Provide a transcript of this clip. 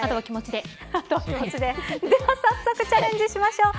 では、さっそくチャレンジしましょう。